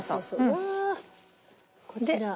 うわ！こちら。